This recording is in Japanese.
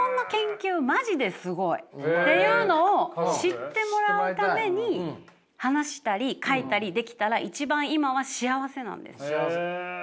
っていうのを知ってもらうために話したり書いたりできたら一番今は幸せなんです。